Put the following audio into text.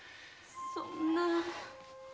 そんな。